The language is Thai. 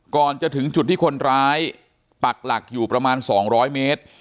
ก่อนจะถึงจุดที่คนร้ายปักหลักอยู่ประมาณ๒๐๐เมตร